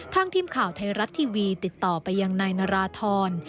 ทีมข่าวไทยรัฐทีวีติดต่อไปยังนายนาราธร